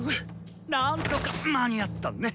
なんとか間に合ったネ！